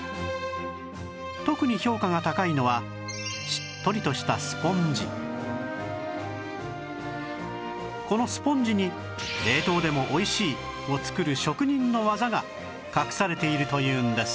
特に評価が高いのはこのスポンジに「冷凍でも美味しい」を作る職人の技が隠されているというんです